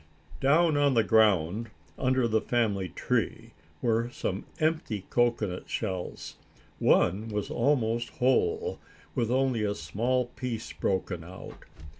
Down on the ground, under the family tree, were some empty cocoanut shells. One was almost whole, with only a small piece broken out.